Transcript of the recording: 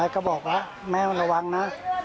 ก็บอกว่าแม่มันระวังนะ